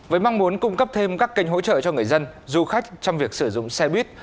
với mong muốn cung cấp thêm các kênh hỗ trợ cho người dân du khách trong việc sử dụng xe buýt